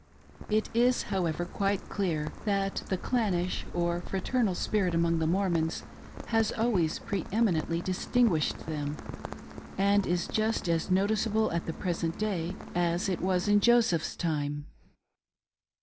It is, however, quite clear that the clannish or fraternal spirit among the Mormons has always pre eminently distinguished them, and is just as noticeable at the present day as it was in Joseph's time. 354 THE MORMON IDEA OF LEGAL' MARRIAGE.